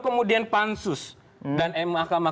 kemudian pansus dan ma kamah